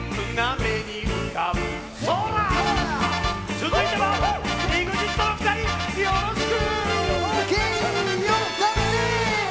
続いてはＥＸＩＴの２人よろしく！